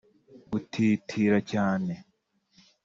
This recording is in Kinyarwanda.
Gutitira cyane